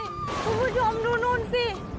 คุณผู้ชมดูนู่นสิ